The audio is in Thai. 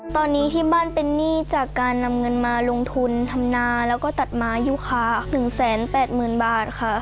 ตอนนี้ที่บ้านเป็นหนี้จากการนำเงินมาลงทุนทำนาแล้วก็ตัดไม้ยูคา๑๘๐๐๐บาทค่ะ